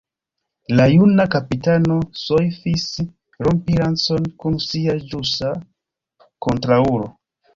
La juna kapitano soifis rompi lancon kun sia ĵusa kontraŭulo.